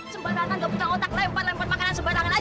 sembarangan gak buka otak lempar lempar makanan sembarangan aja